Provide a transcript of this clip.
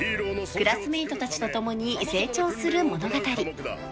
［クラスメートたちと共に成長する物語］